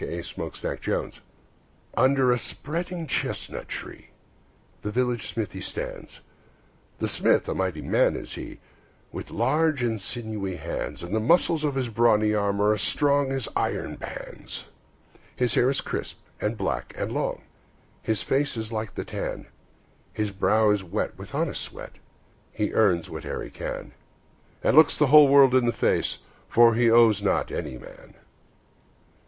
The Village Blacksmith Under a spreading chestnut tree The village smithy stands; The smith, a mighty man is he, With large and sinewy hands; And the muscles of his brawny arms Are strong as iron bands. His hair is crisp, and black and long, His face is like the tan; His brow is wet with honest sweat, He earns whate'er he can, And looks the whole world in the face, For he owes not any man.